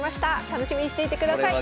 楽しみにしていてください。